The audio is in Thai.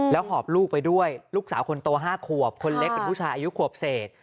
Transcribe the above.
หอบลูกไปด้วยลูกสาวคนโต๕ขวบคนเล็กเป็นผู้ชายอายุขวบเศษ